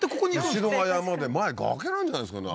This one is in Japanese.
後ろが山で前崖なんじゃないですかね